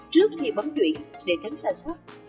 trước khi bấm chuyển để tránh sai soát